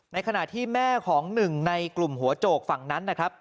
ขณะที่แม่ของหนึ่งในกลุ่มหัวโจกฝั่งนั้นนะครับ